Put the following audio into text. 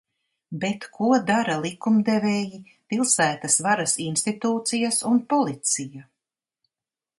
Bet ko dara likumdevēji, pilsētas varas institūcijas un policija?